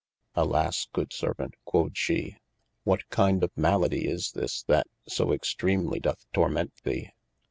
Alas good Servaunt (quod shee) what kinde of maladie is this that so extreemly doth torment thee